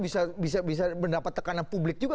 jadi kpk bisa mendapat tekanan publik juga